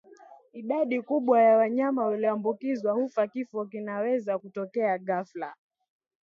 idadi kubwa ya wanyama walioambukizwa hufa Kifo kinaweza kutokea ghafla